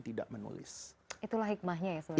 tidak menulis itulah hikmahnya